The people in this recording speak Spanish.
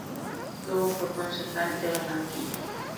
Luego fue concejal de Barranquilla.